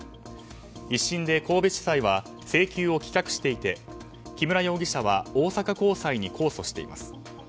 １審で神戸地裁は請求を棄却していて木村容疑者は大阪高裁に控訴しています。